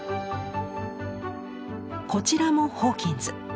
こちらもホーキンズ。